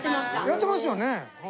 やってますよね？